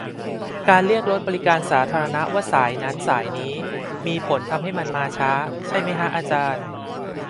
การเรียกรถบริการสาธารณะว่า 'สาย' นั้น 'สาย' นี้ มีผลทำให้มันมาช้า ใช่มั๊ยฮะอาจารย์ ?